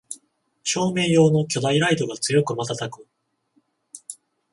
照明用の巨大ライトが強くまたたく